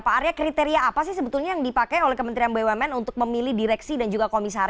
pak arya kriteria apa sih sebetulnya yang dipakai oleh kementerian bumn untuk memilih direksi dan juga komisaris